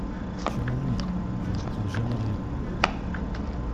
Tu m’ennuies !… je ne prends jamais rien !…